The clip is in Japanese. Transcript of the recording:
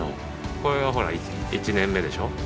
これがほら１年目でしょ。